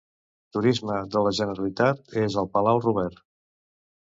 Turisme de la Generalitat és al Palau Robert.